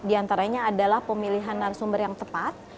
diantaranya adalah pemilihan narasumber yang tepat